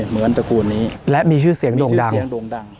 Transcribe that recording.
เหมือนตระกูลนี้และมีชื่อเสียงดวงดั่ง